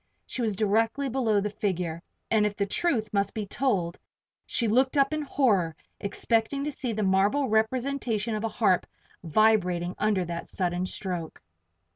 She was directly below the figure and if the truth must be told she looked up in horror, expecting to see the marble representation of a harp vibrating under that sudden stroke!